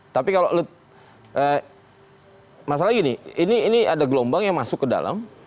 tapi kalau masalah gini ini ada gelombang yang masuk ke dalam